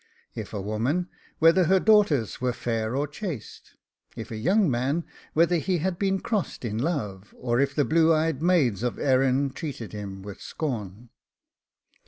If a woman, whether her daughters were fair or chaste? If a young man, whether he had been crossed in love; or if the blue eyed maids of Erin treated him with scorn?